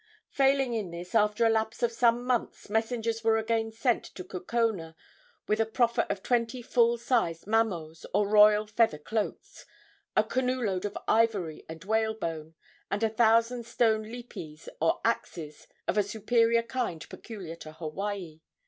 Failing in this, after a lapse of some months messengers were again sent to Kukona with a proffer of twenty full sized mamos, or royal feather cloaks, a canoe load of ivory and whalebone, and a thousand stone lipis, or axes, of a superior kind peculiar to Hawaii.